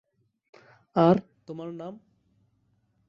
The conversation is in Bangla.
আর তোমার নাম?